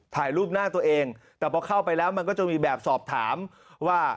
ถ่ายรูปหน้าตัวเองแต่พอเข้าไปแล้วมันก็จะมีแบบสอบถามว่า